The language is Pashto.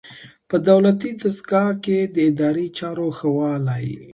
په دولتي دستګاه کې د اداري چارو ښه والی.